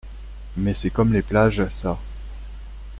Mais c’est comme les plages, ça.